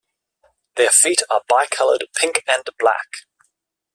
Their feet are bicolored pink and black.